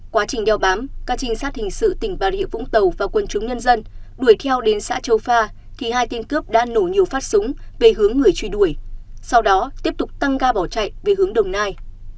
quá trình đeo bám các trinh sát hình sự tỉnh bà rịa vũng tàu và quân chúng nhân dân đuổi theo đến xã châu pha thì hai tên cướp đã nổ nhiều phát súng về hướng người truy đuổi sau đó tiếp tục tăng ga bỏ chạy về hướng đồng nai